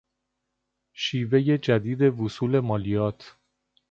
شیوهی جدید وصول مالیات